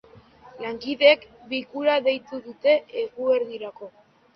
Lankideek bilkura deitu dute eguerdirako.